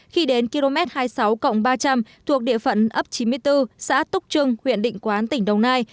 khi đến km hai mươi sáu ba trăm linh thuộc địa phận ấp chín mươi bốn xã túc trưng huyện định quán tỉnh đồng nai